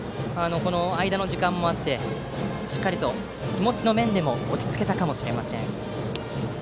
間の時間もあってしっかりと気持ちの面でも落ち着けたかもしれません。